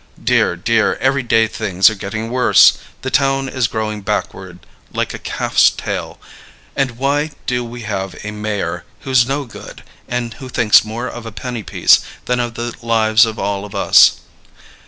Dear, dear, every day things are getting worse! The town is growing backward like a calf's tail. And why do we have a mayor who's no good and who thinks more of a penny piece than of the lives of all of us?